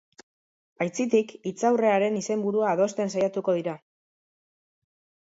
Aitzitik, hitzaurrearen izenburua adosten saiatuko dira.